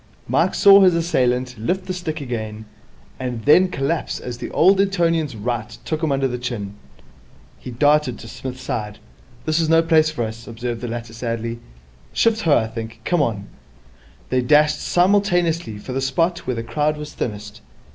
Mike saw his assailant lift the stick again, and then collapse as the old Etonian's right took him under the chin. He darted to Psmith's side. 'This is no place for us,' observed the latter sadly. 'Shift ho, I think. Come on.' They dashed simultaneously for the spot where the crowd was thinnest.